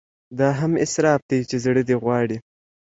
دا هم اسراف دی چې زړه دې غواړي.